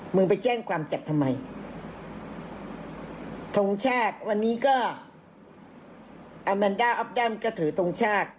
มึงไปแจ้งความจับทำไมทงชาติวันนี้ก็อาแมนด้าออฟดัมก็ถือทงชาติ